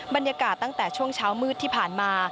บรรยากาศตั้งแต่ช่วงเช้ามืดที่ผ่านมา